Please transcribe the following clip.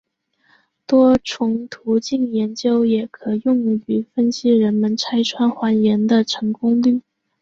多重途径研究也可用于分析人们拆穿谎言的成功率。